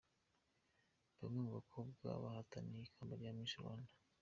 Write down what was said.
Bamwe mu bakobwa bahataniye ikamba rya Miss Rwanda .